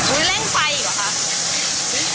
อุ้ยเร่งไฟอีกหรอคะ